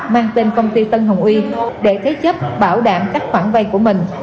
mang tên công ty tân hồng uy để thế chấp bảo đảm cách khoản vay của mình